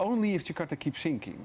hanya jika jakarta terus menurun